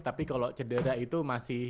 tapi kalau cedera itu masih